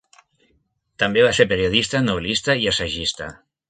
També va ser periodista, novel·lista i assagista.